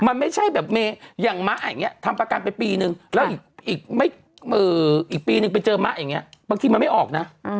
มันไม่ใช่แบบอย่างมะอย่างนี้ทำประกันไปปีนึงแล้วอีกปีนึงไปเจอมะอย่างนี้บางทีมันไม่ออกนะ